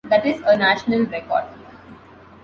That is a national record.